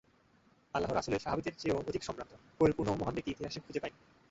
আল্লাহর রাসূলের সাহাবীদের চেয়েও অধিক সম্রান্ত, পরিপূর্ণ ও মহান ব্যক্তি ইতিহাস খুঁজে পায়নি।